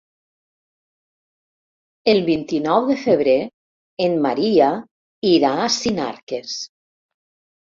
El vint-i-nou de febrer en Maria irà a Sinarques.